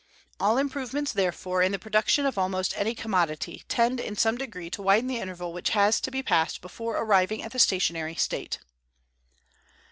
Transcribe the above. All improvements, therefore, in the production of almost any commodity tend in some degree to widen the interval which has to be passed before arriving at the stationary state.